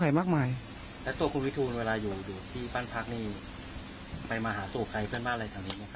ไปมาหาถูกใครที่เจ้าของเพื่อนบ้านอะไรเลยไหมครับ